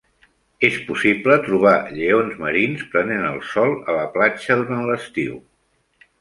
És possible trobar lleons marins prenent el sol a la platja durant l'estiu.